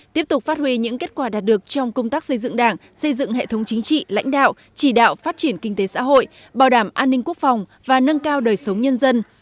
tiếp tục phát huy những kết quả đạt được trong công tác xây dựng đảng xây dựng hệ thống chính trị lãnh đạo chỉ đạo phát triển kinh tế xã hội bảo đảm an ninh quốc phòng và nâng cao đời sống nhân dân